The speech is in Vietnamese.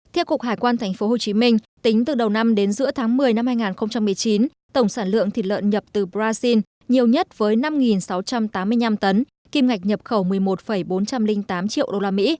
theo cục hải quan tp hcm tính từ đầu năm đến giữa tháng một mươi năm hai nghìn một mươi chín tổng sản lượng thịt lợn nhập từ brazil nhiều nhất với năm sáu trăm tám mươi năm tấn kim ngạch nhập khẩu một mươi một bốn trăm linh tám triệu usd